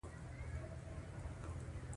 • د باران لاندې د ناستې خوند واخله، کښېنه.